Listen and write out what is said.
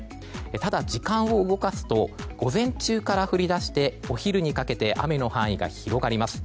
ただ時間を動かすと午前中から降り出してお昼にかけて雨の範囲が広がります。